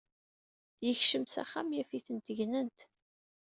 Yekcem s axxam yaf-itent gnent.